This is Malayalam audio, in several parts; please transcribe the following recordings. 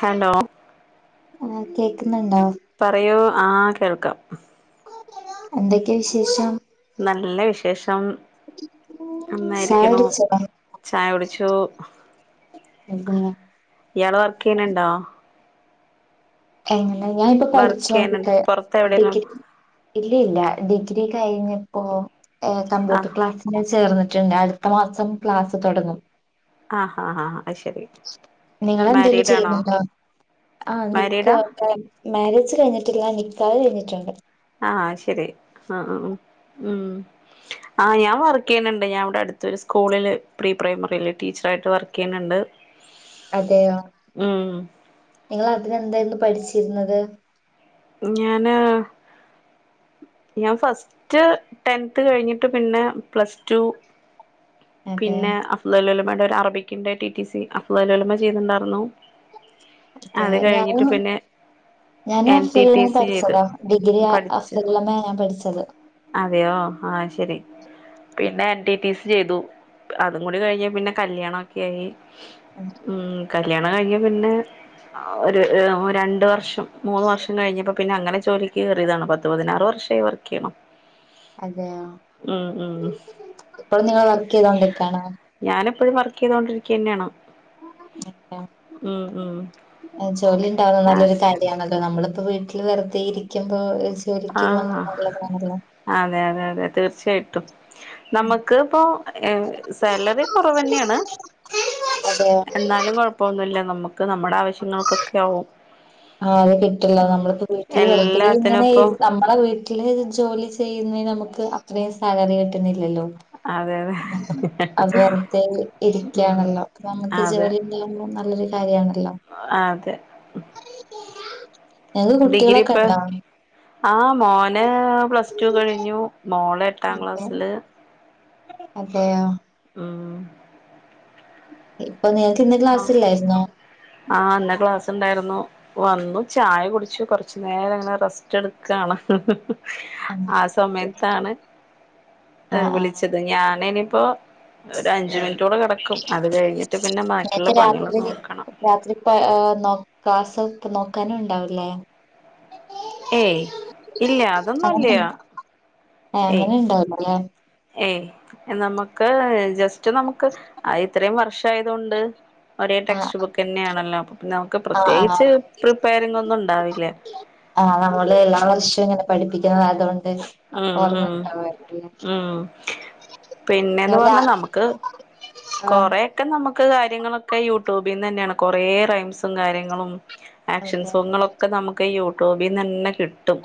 ഹലോ! ആഹ് കേക്കുന്നുണ്ടോ പറയൂ, ആ കേൾക്കാം. എന്തൊക്കെ വിശേശം? നല്ല വിശേഷം. ചായ നന്നായിരിക്ക്ണൂ. കുടിച്ചോ ചായ കുടിച്ചു. അതെയോ? ഇയാള് വർക്ക് ചെയ്യണുണ്ടോ? എങ്ങനെ ഞാാനിപ്പൊ വർക്ക് ചെയ്യണുണ്ട് പഠിച്ചൊണ്ടിക്ക പുറത്ത് എവിടെലും ഡിഗ്രി ഇല്ലില്ല ഡിഗ് ഡിഗ്രി കഴിഞ്ഞപ്പോ എ കമ്പ്യൂട്ടർ ആഹ് ക്ലാസ്സിന് ചേർന്നിട്ടുണ്ട് അടുത്ത മാസം ക്ലാസ്സ് തുടങ്ങും അ ആഹ് അഅ നിങ്ങെന്തേലും ആണോ ചെയ്യുന്നുണ്ടോ ആ മാരീഡാ നിക്ക് ക്കേ മാരേജ് കഴിഞ്ഞിട്ടില്ല നിക്കഹ് കഴിഞ്ഞിട്ടുണ്ട്. ആ ശരി അഅഹ് മ് ആ ഞാൻ വർക്ക് ചെയ്യണുണ്ട് ഞാൻ ഇവിടെ അടുത്തരു സ്കൂളില് പ്രീ പ്രൈമറിയില് ടീച്ചർയിട്ട് വർക്ക് ചെയ്യു ണുണ്ട് അതെയോ നിങ്ങള് അതിന്ന് എന്തായിരുന്നു പഠിച്ചിരുന്നത്? ഞാന് ഞാൻ ഫസ്റ്റ് ടെൻത്ത് കഴിഞ്ഞിട്ട് പിന്നെ പ്ലസ് ടു അതെ പിന്നെ [unintelligible] അറബിക്കിന്റെ ടി ടി സി അഫദലോലമ ചെയ്തിണ്ടായിരുന്നു അതെ അത് കഴിഞ്ഞിട്ട് ഞാനും പിന്നെ എൻ ഞാനും ടി ടി ൻ സി ചെയ്ത് പഠിച്ചതാ ഡിഗ്രി പഠിച്ച് അഫ്സലള്ളമ്മയാ ഞൻ പഠിച്ചത് അതെയോ ആ ശരി പിന്നെ എന്റൈറ്റീസ് ചെയ്തു അതും കൂടി കഴിഞ്ഞ പിന്നെ കല്യാണം ഒക്കെ ആയി ഉം. മ് കല്യാണം കഴിഞ്ഞ പിന്നെ ഒരു രണ്ടു വർഷം മൂന്ന് വർഷം കഴിഞ്ഞപ്പോ പിന്നെ അങ്ങനെ ജോലിക്ക് കയറിയതാണ് പത്തു പതിനാറ് വർഷമായി വർക്ക് ചെയ്യണു അതെയോ ഉം ഉം ഇപ്പള്ളും നിങ്ങൾ വർക്ക് ചെയ്തോണ്ടിക്കണോ എപ്പോഴും വർക്ക് ചെയ്തൊണ്ടിരിക്കുക തന്നെയാണ് ഉം ജോലി ഉണ്ടാവുന്ന ആഹ് നല്ലൊരു കാര്യമാണല്ലോ നമ്മള് പ്പ വീട്ടില് വെറുതെ ഇരിക്കുമ്പോ ആ ജോലിക്ക് പോകുന്നത് നല്ലതാണല്ലോ അതെ അതെ അതെ തീർച്ചയായിട്ടും നമക്ക് ഇപ്പോ സാലറി കുറവ്ന്നെയാണ് അതെയോ എന്നാലും കൊഴപ്പൊന്നുമില്ല നമ്മുക്ക് നമ്മുടെ ആവശ്യങ്ങൾക്കൊക്കെ ആവും ആഹ് അത് കിട്ടുള്ള ഉം നമ്മളിപ്പോ വീട്ടിൽ വ എല്ലാത്തിനും ഇങ്ങനെ ഇപ്പൊ ഇരി നമ്മളെ വീട്ടില് ജോലി ചെയ്യുന്നതിന് നമുക്ക് അത്രയും സാലറി കിട്ടുന്നില്ലല്ലോ അതെ അത് അതെ വെറുതെ ഉം ഇരിക്കയാണല്ലോ അപ്പേ നമുക്ക് ജോലി കിട്ടിയ നല്ലൊരു കാര്യമാണല്ലോ അ അതെ ഞങ്ങള് കുട്ടികളെ കണ്ടോ? ആ മോനെ പ്ലസ് ടു കഴിഞ്ഞു മോള് എട്ടാം ക്ലാസില് അതെയോ ഉം അ ആഹ എന്ന ക്ലാസ് ഉണ്ടായിരുന്നു വന്നു ചായ കുടിച്ച്ു കൊറച്ചു നേരം അങ്ങനെ റസ്റ്റ് എടുക്കാണ് ആഹ് ആ സമയത്താണ് ർ ആഹ് വിളിച്ചത് ഞാന ഇനിപ്പോൊ ഒരു അഞ്ചുിനിറ്റോടെ കിടക്കും അത് കഴിഞ്ഞിട്ട് പിന്നെ ബ നേരത്തെ രാത്രി രാത്രിപ്പ ന ക്ലാസ് ഇപ്പ നോക്കാനും ഉണ്ടാവല്ലേ ഏയ് ഇല്ല അതൊന്നുംല്ല ആ ഏയ് അങ്ങനെുണ്ടാവല്ലേ ഏയ് നമുക്ക് ജസ്റ്റ് നമുക്ക് ഇത്രയും വർഷ ആയതൊണ്ട് ഒരേ ആ ടെക്സ്റ്റ് ബുക്ക് തന്നെയാണല്ലോ നമുക്ക് ആ പ്രത്യേകിച്ച് പ്രിപ്പയറിംഗ ഒന്നും ഉണ്ടാവില്ലേ ആഹ നമ്മള് എല്ലാാവഷവും ഇങ്ങനെ പഠിപ്പിക്കും തുകൊണ്ട് ഉം ഓർമ ഉം ഉണ്ടാവായിരിക്കുംലെ ഉം പിന്നെന്ന് പറഞ്ഞാ നമുക്ക് ആ കൊറൊക്കെ നമുക്ക് കാര്യങ്ങളൊക്കെ യൂട്യൂബിൽന്ന് തന്നെയാണ് കൊറേ റൈംസും കാര്യങ്ങളും ആക്ഷൻ അതെ അതെ സോങ്ങളൊക്കെ നമുക്ക് യൂട്യൂബിൽ തന്നെ കിട്ടും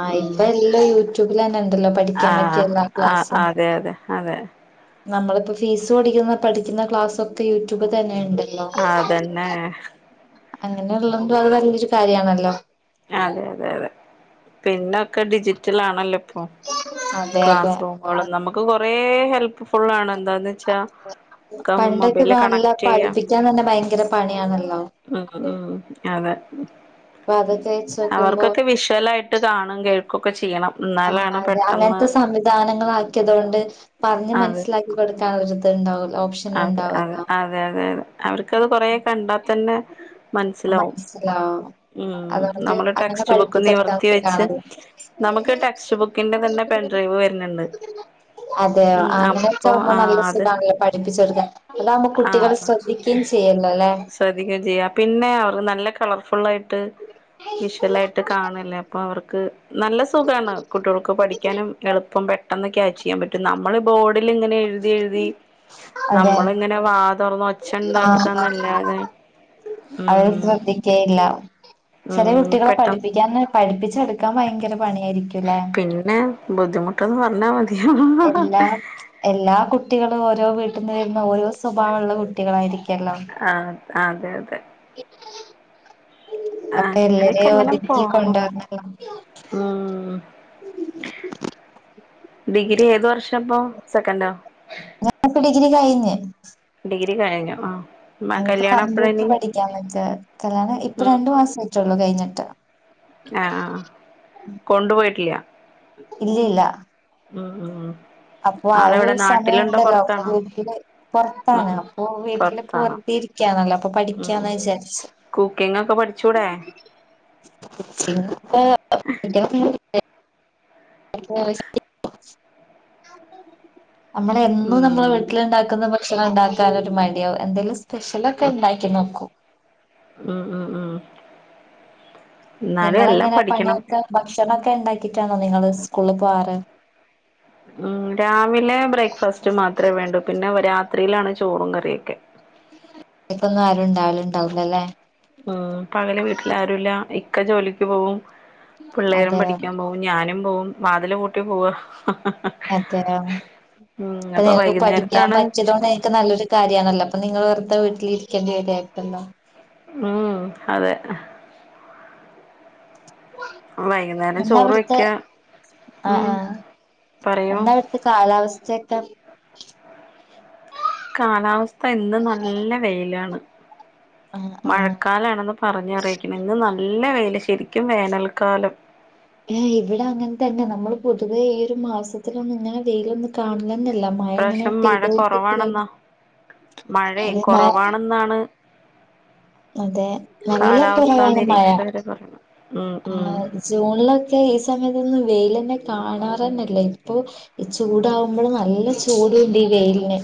ആ ഉ ഇപ്പൊ എല്ലാം യൂട്യൂബിൽ തന്നെ ഉണ്ടല്ലോ പഠിക്കാൻ ആഹ പറ്റിയ എല്ലാ ആ ക്ലാസ്സും അതെ അതെ അതെ നമ്മളിപ്പോ ഫീസ് ഓടിക്കുന്ന പഠിക്കുന്ന ക്ലാസ്സ ഒക്കെ യൂട്യൂബ് തന്നെ ഉണ്ടല്ലോ ആ അതന്നെ അങ്ങനെയ ഉള്ളതണ്ടോ അത് വലിയൊരു കാര്യമാണല്ലോ അതെ അതെ അതെ പിന്നെ ഒക്കെ ഡിജിറ്റൽ ആണല്ലോ ഇപ്പൊ അതെ അതെ ക്ലാസ്റൂമുകളും നമുക്ക് കുറ ഹെൽപ് ഫുള്ളആാണ് എന്താന്ന് വെച്ചാ ഒക്കെ പണ്ടൊക്കെ മൊബൈലില് കണക്ട് നല്ല ചെയ്യാം പഠിപ്പിക്കാൻ തന്നെ ഭയങ്കര പണിയാണല്ലോ ഉം ഉം അതെ പത അവർക്കൊക്കെ വിഷ്വല ആായിട്ട് കാണും കേൾക്കുംഓക്കെ ചെയ്യണം ആ എന്നാലാണ് അതെ പെട്ടെന്ന് അങ്ങനത്തെ സംവിധാനങ്ങളൾ ആക്കിയത് കൊണ്ട് പറഞ്ഞ് അതെ മനസ്സിലാക്കി കൊടുക്കാൻ ഒരുരി ഇത് ഉണ്ടാവോ അതെ അതെ അതെ അതെ അതെ അവർക്കത് കൊറ കണ്ടാത്തന്നെ മനസ്സിലാവും മനസ്സിലാവും ഉം അതുകൊണ്ട് നമ്മള് അങ്ങനെ ടെക്സ്റ്റ് ബുക്ക് പഠിപ്പിച്ചെടുക്കാൻ നിവർത്തി നമുക്ക് വെച്ച് കാണാലോ നമുക്ക് ടെക്സ്റ്റ് ബുക്കിന്റെ തന്നെ പെ ഡ്രൈവ് വരുന്നുണ്ട് അതെയ ഉം അങ്ങനെൊക്കെ അപ്പൊ ആകുമ്പോൾ ആ നല്ല അത് സുഖാല്ലോ പഠിപ്പിച്ച അതാവ്പ കുട്ടികളെ ആ ശ്രദ്ധിക്കുകയും ചെയ്യല്ലോ അല്ലെ ചെയ്യ പിന്നെ അവർ നല്ല കളർഫുൾ ആായിട്ട് വിഷ്വൽായിട്ട് കാണല്ലേ അപ്പൊ അവർക്ക് നല്ല സുഖാണ് കുട്ടികൾക്ക് പഠിക്കാനും എളുപ്പം പെട്ടെന്ന് ക്യാച്ച് ചെയ്യാൻ പറ്റും നമ്മള് ബോർഡിൽ ഇങ്ങനെ എഴുതി എഴുതി അതെ നമ്മളിങ്ങനെ വാ തുറന്ന ഒച്ച ഇണ്ടാക്കന്നല്ലാതെ അവര് ശ്രദ്ധിക്കയില്ല ചെറിയ ഉം കുട്ടികളെ പെട്ടെന്ന് പഠിപ്പിക്കാൻ പഠിപ്പിച്ചെടുക്കാൻ ഭയങ്കര പണിയായിരിക്കുംല്ലേ പിന്നെ ബുദ്ധിമുട്ടെന്ന് പറഞ്ഞാ മതിയോ എല്ലാ എല്ലാ കുട്ടികൾ കുട്ടികൾ ഓരോ വീട്ടിൽ നിന്ന് വരുന്ന ഓരോ സ്വഭാവമുള്ള കുട്ടികളായിരിക്കും ആ അതെ അതെ [unintelligible] അപ്പൊ അങ്ങനെയൊക്കെ എല്ലരെയ അങ്ങനെ ഒഓതുക്കി പോണു കൊണ്ടുവന്നോ ഉം ഉ ഡിഗ്രി ഏത് വർഷം ഇപ്പ സെക്കൻറ്റോ ഞാനപ്പ ഡിഗ്രി കഴിഞ് ഡിഗ്രി കഴിഞ്ഞു ആ ഇപ്പ കല്യാണം കമ്പ്യൂട്ടർ എപ്പഴാനി പഠിക്കാനുള്ള ജ്വരത്തിലാണ് ഇപ്പ രണ്ടു മാസം ആട്ടുള്ളൂ കഴിഞ്ഞിട്ട് ആഹ കൊണ്ടുപോയിട്ടില്ല ഇല്ല ഇല്ല ഉ ഉ ഉ അപ്പൊ ആ ഒരു സമയംമുണ്ടല്ലോ അപ്പൊ പൊറത്താണോ വീട്ടില് പുറത്താണ് ഉം അപ്പൊ വീട്ടില് പുറ പൊറത്താണ് രിക്കാനല്ലോ അപ്പൊ ഉം ഉം പഠിക്കാന്ന് വിചാരിച്ചു കുക്കിംഗ് ഒക്കെ പഠിച്ചൂടെ കുക്കിംഗ് ഒക്കെ ശ നമ്മള എന്നും ഉം നമ്മളെ വീട്ടിലുണ്ടാക്കുന്ന ഭക്ഷണം ഉണ്ടാക്കൻ ഒരു മടിയാവും എന്തേലും സ്പെഷ്യൽ ഒക്കെ ഉണ്ടാക്കിനോക്കൂ ആഹ നിങ്ങ എങ്ങനെ പണിയൊക്കെ ഭക്ഷണൊക്കെ ഉണ്ടാക്കിട്ടാണോ നിങ്ങള് സ്കൂളിൽ പോവാറ് ഉം രാവിലെ ബ്രേക്ക്ഫാസ്റ്റ് മാത്രമേ വേണ്ടൂ പിന്നെ രാത്രിയിലാണ് ചോറും കറിയൊക്കെ ഇക്കൊന്നും ആരു ഇണ്ട ആള ഉണ്ടാവലല്ലേ പകല് വീട്ടില് ആരുല്ല ഇക്ക ജോലിക്ക് പോവും പിള്ളേരും അതെ പഠിക്കാൻ പോകവും ഞാനും പോവും വാതില് പൂട്ടി പോവ അതെയൊ അപ്പയെ അപ്പൊ ങ്ങക്ക് പഠിക്കാൻ വൈകുന്നേരത്താണ് ചോ പറ്റിയതോനെ നല്ലൊരു കാര്യാണല്ലോ അപ്പൊ നിങ്ങൾ വെറുതെ വീട്ടിലി കണ്ടി വരുത്തല്ലോ ഉം അതെ വൈന്നേരം ചോറ് വെക്കാ എ ആ എന്താ അവിടുത്തെ കാലാവസ്ഥയൊക്കെ കാലാവസ്ഥ ഇന്ന് നല്ല വെയിലാണ് ആഹ് ആഹ് മഴക്കാലാണെന്ന് പറഞ്ഞറീക്കണം ഇന്ന് നല്ല ല് ശരിക്കും വേനൽക്കാലം എ ഇവിടെ അങ്ങൻതന്നെ നമ്മള് പൊതുവെ ഈ ഒരു മാസത്തിലൊന്നും ഇങ്ങനെ വെയിലൊന്നും കാണ ല്ല മഴ ങ്ങനെ ഇപ്രാവശ്യം മഴ പെയ്തോണ്ടിരി കുറവാണെന്നാ മഴയെ [inaudible] കുറവാണെന്നാണ് അതെ നല്ല കാലാവസ്ഥാ കുറവാണ് മയ നിരീക്ഷകര് പറയണത് ഉം ആ ഉം ജൂണിലൊക്കെ ഈ സമയത്തൊന്നും വെയിലെന്നെ കാണാറെന്നെല്ല ഇപ്പൊ ഈ ചൂടാവുമ്പോള് നല്ല ചൂട്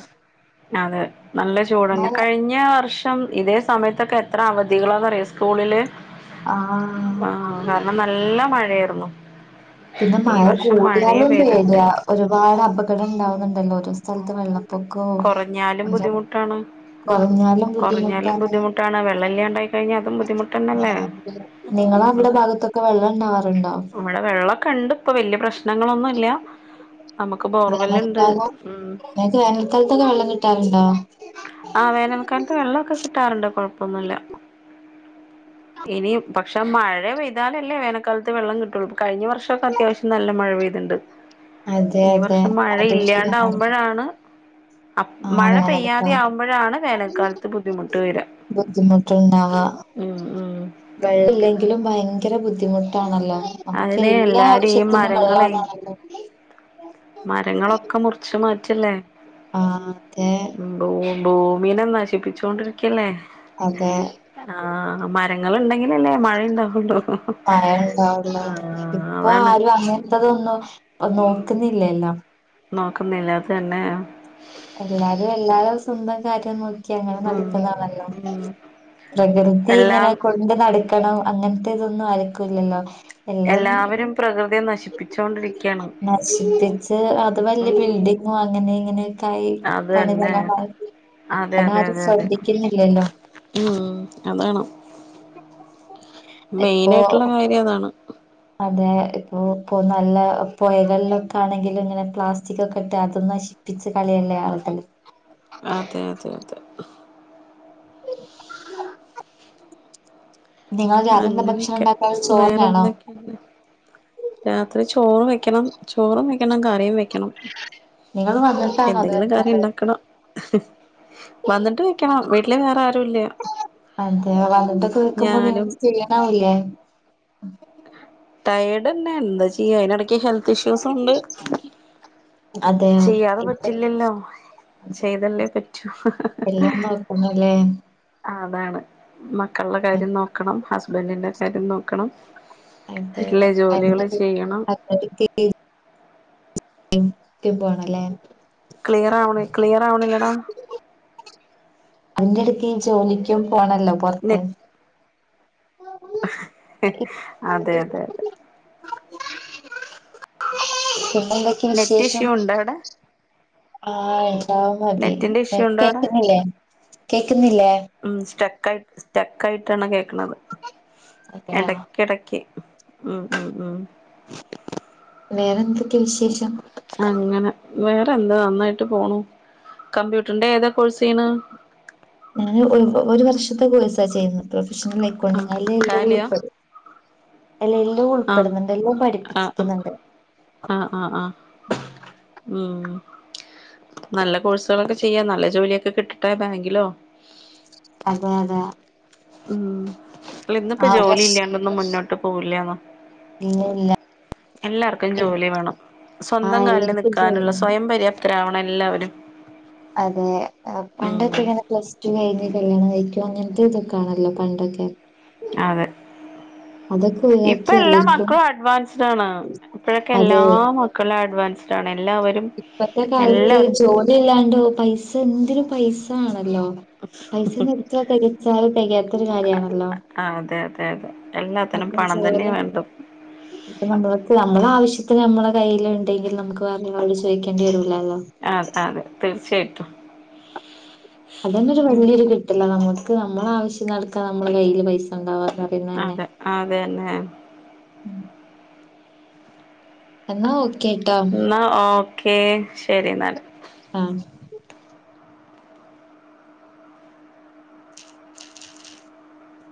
[inaudible] അതെ നല്ല ചൂടെന്നെ മഴ കഴിഞ്ഞ വർഷം ഇതേ സമയത്ത് തൊക്കെ എത്ര അവധികളാന്നറിയോ സ്കൂളില് ആഹ് ആ കാരണം നല്ല മഴ ർ ന്നു പിന്നെ മഴ കൂടിയാലും പേടിയാ ഒരുപാട് അപകടം ഉണ്ടാവുന്നുണ്ടല്ലോ ഓരോ സ്ഥലത്ത് വെള്ളം പൊക്കോ കുറഞ്ഞാലും അഞ്ചാല് ബുദ്ധിമുട്ടാണ് കുറഞ്ഞാലും കുറഞ്ഞാലും ബുദ്ധിമുറ്റക്കാരും ബുദ്ധിമുട്ടാണ് വെള്ളം ഇല്ലാണ്ടായി കഴിഞ്ഞാൽ അതും ബുദ്ധിമുട്ടന്നല്ലേ [inaudible] ആ ങ്ങളവിടെ ഉം ഭാഗത്തൊക്കെ വെള്ളണ്ടാവാറുണ്ടാ ഇവിടെ വെള്ളമൊക്കെ ഉണ്ട് ഇപ്പൊ വല്യ പ്രശ്നങ്ങളൊന്നുല്ല നമുക്ക് ബോർവെല്ലുണ്ട് മ് പ്പൊ വെള്ളകിട്ടാറുണ്ടോ ആ വേനൽക്കാലത്ത് വെള്ളൊക്കെ കിട്ടാറ്ണ്ട് കൊഴപ്പൊന്നുല്ല ഇനി പക്ഷെ മഴ പെയ്താലല്ലേ വേനൽക്കാലത്ത് വെള്ളം കിട്ടൊള്ളൂ കഴിഞ്ഞ വർഷൊക്കെ അത്യാവശ്യം നല്ല മഴ പെയ്ത്ണ്ട് അതെ ഈ അതെ വർഷം മഴ അതും ശരിയാണ് ഇല്ലാണ്ടാവുമ്പൊഴാണ് അ ആ [inaudible] മഴ പെയ്യാ വേനൽക്കാലത്ത് ണ്ടാവുമ്പോഴാണ് വേനൽക്കാലത്ത് ബുദ്ധിമുട്ട് വെര്യാ മ് മ് വെള്ളല്ലെങ്കിലും ഭയങ്കര ബുദ്ധിമുട്ടാണല്ലോ അമ്മക്ക് അതിനെ എല്ലാ എല്ലാരും ഈ ആവശ്യത്തിനും മരങ്ങളെ വെള്ളവാണല്ലോ മരങ്ങളൊക്കെ മുറിച്ച് മാറ്റെല്ലേ ആ അതെ ഭൂമീനെ നശിപ്പിച്ചോണ്ടിരിക്കല്ലേ ആ മരങ്ങൾ ഇണ്ടെങ്കി [unintelligible] ആഹ് ഇപ്പ അതാണ് ആരും അങ്ങൻത്തതൊന്നും അയ് നോക്ക്ന്നില്ലല്ലോ നോക്ക്ന്നില്ല അത് തന്നെ എല്ലാരും എല്ലാരെ സ്വന്തം കാര്യം നോ ക്കി അങ്ങനെ ഉം നടക്ക്ന്നാണല്ലോ ഉം പ്രകൃതി ഇങ്ങനെ എല്ലാം കൊണ്ട് നട് ക്കണം അങ്ങൻത്തെതൊന്നും ആർക്കും ഇല്ലല്ലോ എല്ലയും എല്ലാവരും പ്രകൃതിയെ നശിപ്പിച്ചോണ്ടിരിക്കയാണ് നശിപ്പിച്ച് അത് വല്ലിയ ഉം ബിൽഡി ങ്ങും അങ്ങനെ ഇങ്ങനെയൊക്കായി അത് തന്നെ പണിതലമാക്കി അതെ അതെ അതാരും അതെ അതെ ശ്രദ്ധിക്ക്ന്നില്ലല്ലോ മെയിനായിട്ട്ള്ള കാര്യം അതാണ് അതെ ഇപ്പൊ പ്പൊ നല്ല പൊഴകളിൽ ഒക്കാണെങ്കിലും ഇങ്ങനെ പ്ലാസ്റ്റിക്കൊക്കെ ഇട്ട് അതും നശി പ്പിച്ച് കളയല്ലേ ആൾകൾ അതെ അതെ അതെ നിങ്ങൾ രാവിലെ എന്താ ഭക്ഷണം അങ്ങനെയെക്കെ ഉണ്ടാക്കാറ് ചോറിനാണോ വേറെന്തെക്കെയാണ് രാത്രി ചോറ് വെക്കണം ചോറും വെക്കണം കറിം വെക്ക ക്കണം നിങ്ങൾ വന്നിട്ടാണോ അത് എന്തെങ്കിലും കറി വെക്കാറ് ഇണ്ടാക്കണം വന്നിട്ടുവെക്കണം. വീട്ടില് വേറെ ആരും ഇല്ല അതെ, വന്നിട്ടൊക്കെ വെക്കുമ്പോ ഞാനും നിങ്ങക്ക് ക്ഷീണാവുലെ ടയേഡെന്നെ, എന്താചെയ്യാ, അയിനെടക്ക് ഹെൽത്തിഷ്യൂസുണ്ട് അതെ ചെയ്യാതെ ഇപ്പ പറ്റില്ലല്ലോ അതെ ചെയ്തല്ലേ പറ്റൂ എല്ലാം നോക്കുന്നുല്ലേ അതാണ്, മക്കളുടെ കാര്യം നോക്കണം. ഹസ്ബൻഡിന്റെ കാര്യം നോക്കണം അതെ എല്ലാ ജോലികളും അതിനൊക്കെ ചെയ്യണം [unintelligible] പോണം ലെ ക്ലിയർ ആവ്ണ്, ക്ലിയറാവ്ണില്ലെടാ അതിന്റെ എടക്കീ ജോലിക്കും പോണല്ലോ നെ പൊർത്ത്. അതെ അതെ അതെ പിന്നെ എന്തൊക്കെ നെറ്റ് വിശേഷം ഇഷ്യൂ ഉണ്ടോ അവിടെ ആ എടാ മതി നെറ്റിന്റെ ഇഷ്യൂ ഉണ്ടോ അവിടെ കേക്ക്ന്നില്ലേ കേക്ക്ന്നില്ലേ കട്ട്സ് സ്റ്റെക്ക് ആയിട്ടാണ് കേക്ക്ണത് അതെയോ എടക്ക് എടക്കി ഉം ഉം ഉം വേറെയെന്തൊക്കെ വിശേഷം. അങ്ങനെ വേറെ എന്താ നന്നായിട്ട് പോണു കമ്പ്യൂട്ടറിന്റെ ഏതാ കോഴ്സ് ചെയ്യണ് ഞാൻ ഒരു, ഒരു വർഷത്തെ കോഴ്സാ ചെയ്യുന്നേ പ്രൊഫഷണൽ ആ അക്കോണ്ടിങ്ങ് അയിൽ എല്ലയും ടാലിയാ ഉൾപ്പെടും അതില് എല്ലാം ആ ഉൾപ്പെടുന്നുണ്ട് എല്ലാം അ പഠിപ്പിക്കുന്നുണ്ട് ആ ആ ഉം നല്ല കോഴ്സുകളൊക്കെ ചെയ്യാ നല്ല ജോലിയൊക്കെ കിട്ടട്ടെ ബാങ്കിലോ അതെയതെ ഉം അല്ല ഇന്നിപ്പോ ജോലി ഇല്ലാണ്ടൊന്നും മുന്നോട്ട് പോവില്ലായൊന്നും ഇല്ലയില്ല എല്ലാർക്കും ജോലി വേണം. ആ സ്വന്തംകാലില് എല്ലാർക്കും നിക്കാനുള്ള ജോലിയാണ് സ്വയം പര്യാപ്തരാവണം എല്ലാവരും അതെ, ഉം പണ്ടൊക്കെയാണേ പ്ലസ്ടു കഴിഞ്ഞ് കല്യാ കല്യാണം കഴിക്കോ, അങ്ങൻത്തെ ഇതൊക്കെയാണല്ലോ പണ്ടൊക്കെ. അതെ അതൊക്കെ ഇപ്പ ഒഴിവാക്കി എല്ലാർക്കും എല്ലാമക്കളും അഡ്വാൻസ്ഡാണ്. ഇപ്പഴ്ക്കെ എല്ലാ മക്കളും അഡ്വാൻ ഇപ്പത്തെകാലത്ത് എല്ലാവരും ജോലിഇല്ലാണ്ടോ പൈസ എന്തൊര് പൈസ അല്ലോ, പൈസേന്നെത്ര തികച്ചാൽ തികയാത്തൊരു കാര്യമാണല്ലോ അതെ അതെ അതെ അ എല്ലാത്തിനും പണം ച തന്നെ വേണ്ടു അണ്ടെ നമ്മൾ [inaudible] ആവശ്യത്തിനുനമ്മുടെ കൈയിലുണ്ടെങ്കിൽ, നമുക്കാണുങ്ങളോട് ചോദിക്കേണ്ടിവരൂല. അതെയതെ തീർച്ചയായിട്ടും. അതുതന്നെയൊരു വലിയൊരു കിട്ടലാ നമുക്ക്, നമ്മടെആവശ്യങ്ങൾക്ക് നമ്മുടെ കൈയ്യിൽ പൈസ ഉണ്ടാവാ അതെ, അതുതന്നെ. ഉം എന്നോ എന്നാ ഓക്കേ, ശരിയെന്നാല്. ആഹ്